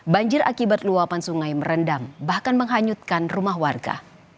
banjir akibat luapan sungai merendam bahkan menghanyutkan rumah warga